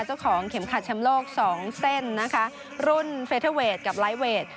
เจ้าของเข็มขัดแชมป์โลกสองเส้นนะคะรุ่นเฟเทอร์เวทกับไลฟ์เวท